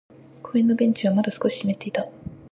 公園のベンチはまだ少し湿っていた。